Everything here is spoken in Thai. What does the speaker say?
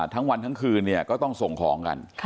ทั้งวันทั้งคืนเนี่ยก็ต้องส่งของกัน